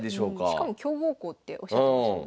しかも強豪校っておっしゃってましたもんね。